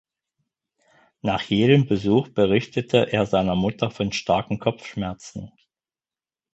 Nach jedem Besuch berichtete er seiner Mutter von starken Kopfschmerzen.